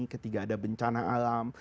ketika ada bencana alam